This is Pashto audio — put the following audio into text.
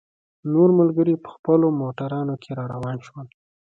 نور ملګري په خپلو موټرانو کې را روان شول.